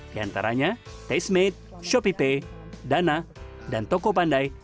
di antaranya tastemade shopee pay dana dan toko pandai